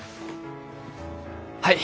はい！